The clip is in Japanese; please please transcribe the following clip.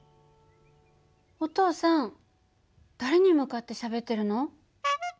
お父さん誰に向かってしゃべってるの？